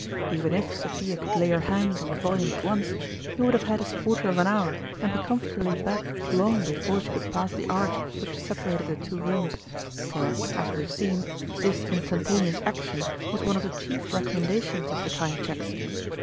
Even if Sophia could lay her hand on the volume at once, he would have had his quar ter of an hour and be comfortably back long before she could pass the arch which sepa rated the two rooms ; for, as we have seen, this instantaneous action was one of the chief rec ommendations of the Time Cheques.